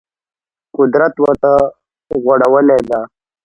قدرت ورته غوړولې ده